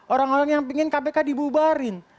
orang orang yang ingin kpk dibubarin